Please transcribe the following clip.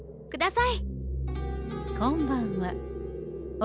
ください！